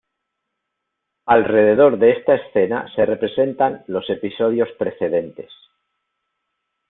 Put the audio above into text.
Alrededor de esta escena se representan los episodios precedentes.